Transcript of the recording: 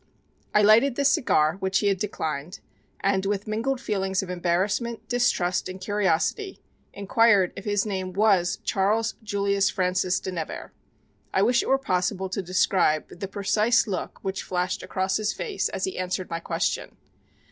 I lighted the cigar which he had declined and with mingled feelings of embarrassment, distrust and curiosity inquired if his name was Charles Julius Francis de Nevers. I wish it were possible to describe the precise look which flashed across his face as he answered my question.